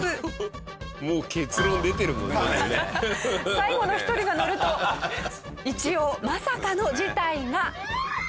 最後の１人が乗ると一応まさかの事態が！